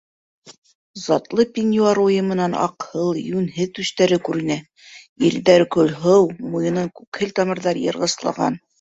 Затлы пеньюар уйымынан аҡһыл, йәнһеҙ түштәре күренә, ирендәре көлһыу, муйынын күкһел тамырҙар йырғыслаған.